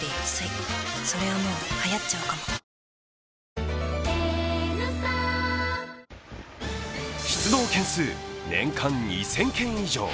サントリー「翠」出動件数、年間２０００件以上。